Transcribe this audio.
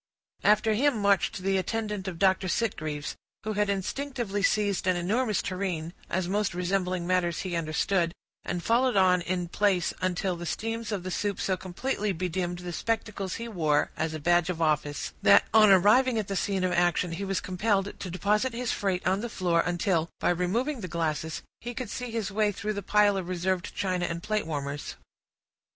After him marched the attendant of Dr. Sitgreaves, who had instinctively seized an enormous tureen, as most resembling matters he understood, and followed on in place, until the steams of the soup so completely bedimmed the spectacles he wore, as a badge of office, that, on arriving at the scene of action, he was compelled to deposit his freight on the floor, until, by removing the glasses, he could see his way through the piles of reserved china and plate warmers.